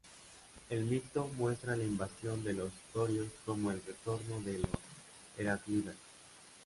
El mito muestra la invasión de los dorios como el retorno de los Heráclidas.